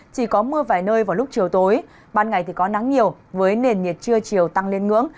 chỉ có mưa vài nơi vào lúc chiều tối ban ngày thì có nắng nhiều với nền nhiệt trưa chiều tăng lên ngưỡng